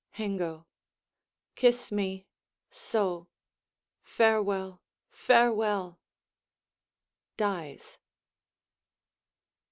Hengo Kiss me: so. Farewell, farewell! [_Dies.